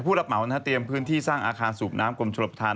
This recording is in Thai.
รับเหมาเตรียมพื้นที่สร้างอาคารสูบน้ำกรมชลบทาน